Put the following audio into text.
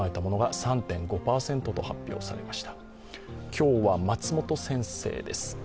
今日は松本先生です。